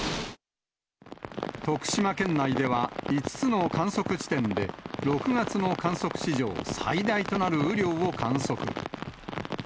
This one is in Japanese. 徳島県内では５つの観測地点で、６月の観測史上最大となる雨量を観測。